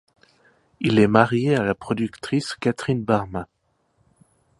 Il est marié à la productrice Catherine Barma.